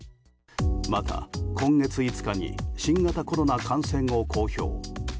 また、今月５日に新型コロナ感染を公表。